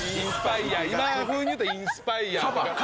今風に言うとインスパイアとか。